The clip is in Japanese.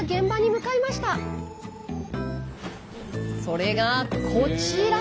それがこちら。